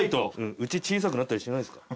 うち小さくなったりしないですか？